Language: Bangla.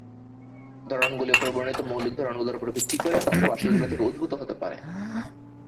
ধরনগুলো ওপরে বর্ণিত মৌলিক ধরনগুলোর ওপর ভিত্তি করে অথবা সেগুলো থেকে উদ্ভূত হতে পারে।